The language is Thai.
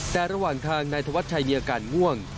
แต่ระหว่างทางนายธวัชชัยมีอาการง่วง